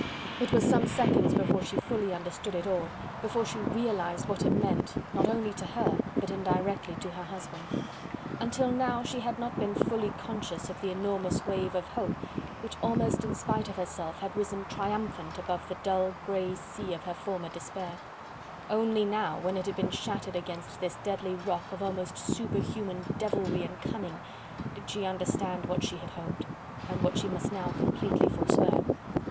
It was some seconds before she fully understood it all, before she realized what it meant not only to her, but indirectly to her husband. Until now she had not been fully conscious of the enormous wave of hope which almost in spite of herself had risen triumphant above the dull, grey sea of her former despair; only now when it had been shattered against this deadly rock of almost superhuman devilry and cunning did she understand what she had hoped, and what she must now completely forswear.